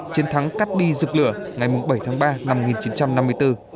chiến thắng cắt đi rực lửa ngày bảy tháng ba năm một nghìn chín trăm năm mươi bốn